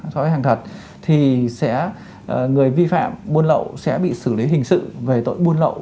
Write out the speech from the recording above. so với hàng thật thì người vi phạm buôn lậu sẽ bị xử lý hình sự về tội buôn lậu